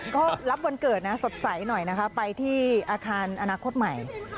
ก็รับวันเกิดนะสดใสหน่อยนะคะไปที่อาคารอนาคตใหม่